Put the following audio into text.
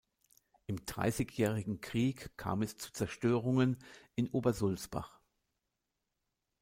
Im Dreißigjährigen Krieg kam es zu Zerstörungen in Obersulzbach.